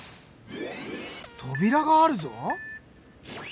とびらがあるぞ？